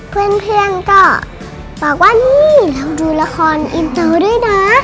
เพื่อนก็บอกว่านี่เราดูละครอินเตอร์ด้วยนะ